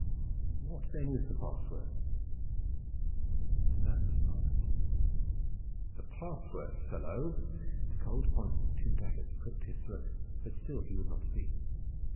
"What then is the password?" The man was silent. "The password, fellow!" The cold points of two daggers pricked his throat; but still he would not speak.